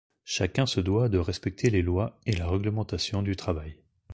Chacun se doit de respecter les lois et la réglementation du travail.